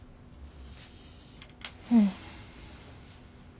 うん。